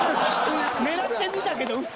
狙ってみたけど薄。